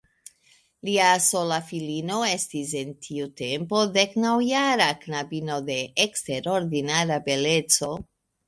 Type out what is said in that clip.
Lia sola filino estis en tiu tempo deknaŭjara knabino de eksterordinara beleco.